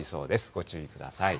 ご注意ください。